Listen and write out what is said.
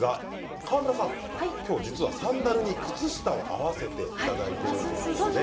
川村さん、実はサンダルに靴下を合わせていただいています。